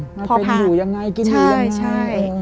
อืมมาไปอยู่ยังไงกินอย่างง่าย